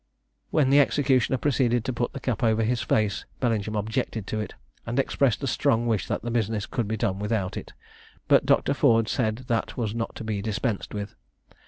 When the executioner proceeded to put the cap over his face, Bellingham objected to it, and expressed a strong wish that the business could be done without it; but Dr. Ford said that was not to be dispensed with.